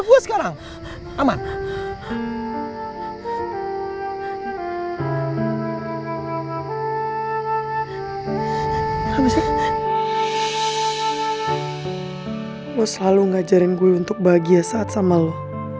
lo selalu ngajarin gue untuk bahagia saat sama lo